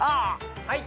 はい。